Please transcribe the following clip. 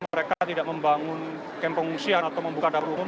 mereka tidak membangun kampungungsian atau membuka dampung